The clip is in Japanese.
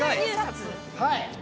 はい！